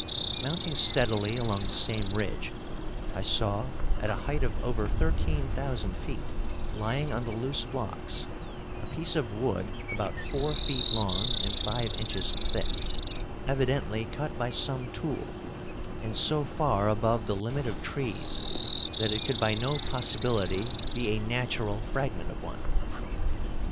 Mounting steadily along the same ridge, I saw at a height of over thirteen thousand feet, lying on the loose blocks, a piece of wood about four feet long and five inches thick, evidently cut by some tool, and so far above the limit of trees that it could by no possibility be a natural fragment of one.